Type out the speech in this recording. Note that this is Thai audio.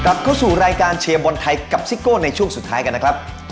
เข้าสู่รายการเชียร์บอลไทยกับซิโก้ในช่วงสุดท้ายกันนะครับ